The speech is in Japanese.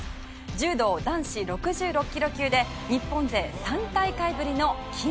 柔道男子６６キロ級で日本勢３大会ぶりの金メダルを目指します。